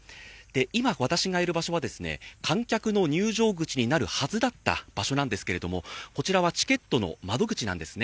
今、私がいる場所は観客の入場口になるはずだった場所なんですけれども、こちらはチケットの窓口なんですね。